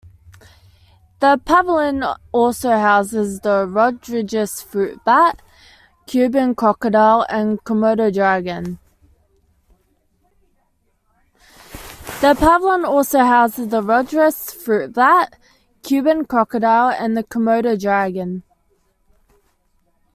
The pavilion also houses the Rodrigues fruit bat, Cuban crocodile, and the Komodo dragon.